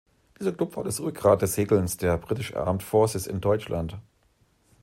Dieser Club war das Rückgrat des Segelns der British Armed Forces in Deutschland.